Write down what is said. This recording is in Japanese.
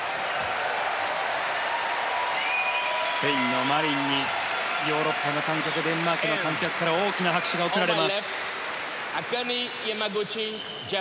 スペインのマリンにヨーロッパの観客デンマークの観客から大きな拍手が送られました。